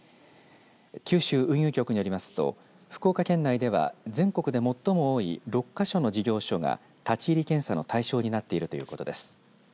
九州運輸局によりますと福岡県内では全国で最も多い６か所の事業所が立ち入り検査の対象になっているということです。